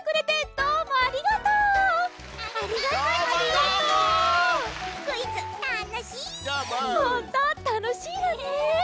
ほんとうたのしいわね。